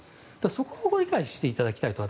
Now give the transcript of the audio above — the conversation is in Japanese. そこをご理解いただきたい。